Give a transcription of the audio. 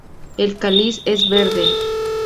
El cáliz es verde.